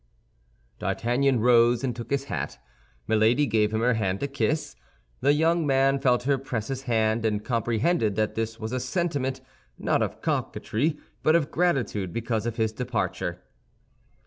D'Artagnan rose and took his hat; Milady gave him her hand to kiss. The young man felt her press his hand, and comprehended that this was a sentiment, not of coquetry, but of gratitude because of his departure.